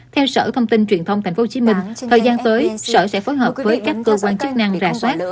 theo sở thông tin truyền thông tp hcm thời gian tới sở sẽ phối hợp với các cơ quan chức năng rà soát